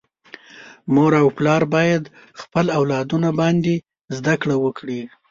مور او پلار باید خپل اولادونه باندي زده کړي وکړي.